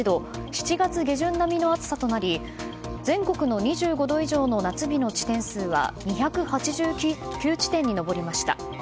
７月下旬並みの暑さとなり全国の２５度以上の夏日の地点数は２８９地点に上りました。